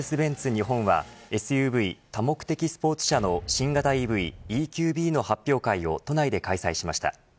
日本はＳＵＶ多目的スポーツ車の新型ＥＶＥＱＢの発表会を都内で開催しました。